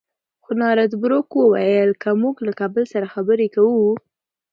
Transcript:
خو نارت بروک وویل که موږ له کابل سره خبرې کوو.